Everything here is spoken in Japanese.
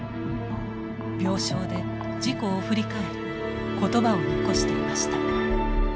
病床で事故を振り返り言葉を残していました。